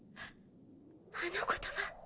あの言葉。